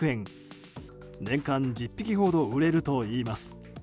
年間１０匹ほど売れるといいます。